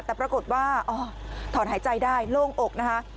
แต่ปรากฏว่าถอนหายใจได้โล่งอกนะคะ